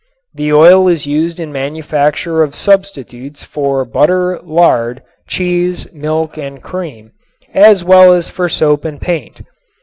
The oil is used in manufacture of substitutes for butter, lard, cheese, milk and cream, as well as for soap and paint.